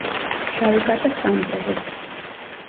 შავი კატა სკამზე ზის.